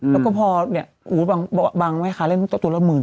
แล้วก็พอเนี่ยบางว่าไงครับเล่นตัวละ๑๒๐๐๐๑๓๐๐๐